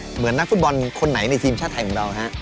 เหมือนนักฟุตบอลคนไหนในทีมชาติไทยของเราฮะ